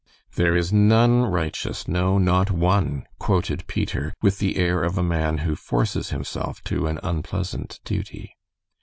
"'There is none righteous, no, not one,'" quoted Peter, with the air of a man who forces himself to an unpleasant duty.